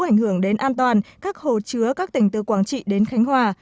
ảnh hưởng đến an toàn các hồ chứa các tỉnh từ quảng trị đến khánh hòa